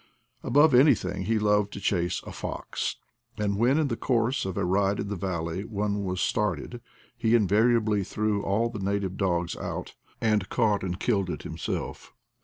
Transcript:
Above anything he loved to chase a fox; and when in the course of a ride in the valley one was started, he invariably threw all the native dogs out and caught and killed it himself.